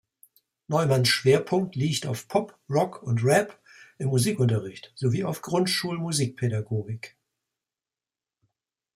Neumanns Schwerpunkt liegt auf Pop, Rock und Rap im Musikunterricht sowie auf Grundschul-Musikpädagogik.